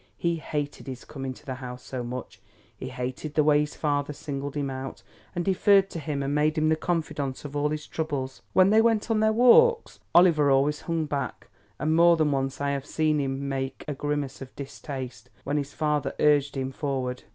He hated his coming to the house so much; he hated the way his father singled him out and deferred to him and made him the confidant of all his troubles. When they went on their walks, Oliver always hung back, and more than once I have seen him make a grimace of distaste when his father urged him forward.